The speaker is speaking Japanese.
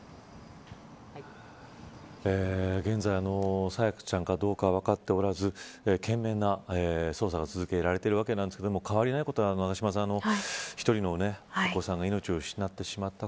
現在、朝芽ちゃんかどうか分かっておらず懸命な捜査が続けられているわけですが変わりないことは永島さん、１人のお子さんが命を失ってしまった。